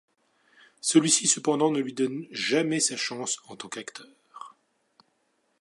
Celui-ci cependant ne lui donne jamais sa chance en tant qu'acteur.